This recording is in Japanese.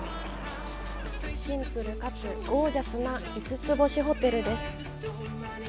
シンプルかつゴージャスな五つ星ホテルです。